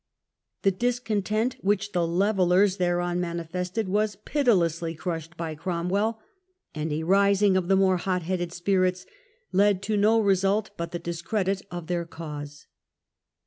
The discontent which the " Levellers " thereon manifested was pitilessly crushed by Cromwell, and a rising of the more hot headed spirits led to no result but the discredit of their cause.